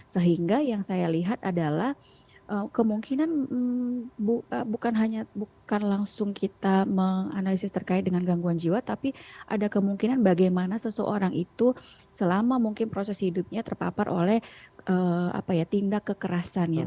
sehingga yang saya lihat adalah kemungkinan bukan langsung kita menganalisis terkait dengan gangguan jiwa tapi ada kemungkinan bagaimana seseorang itu selama mungkin proses hidupnya terpapar oleh tindak kekerasan ya